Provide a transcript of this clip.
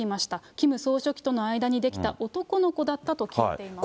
キム総書記との間に出来た男の子だったと聞いていますと。